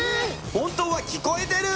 本当は聞こえてる！